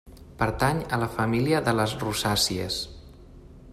Pertany a la família de les rosàcies.